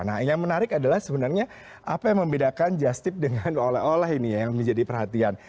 nah yang menarik adalah sebenarnya apa yang membedakan just tip dengan oleh oleh ini ya yang menjadi perhatian